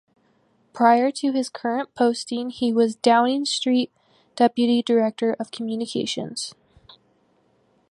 Prior to his current posting he was Downing Street deputy director of communications.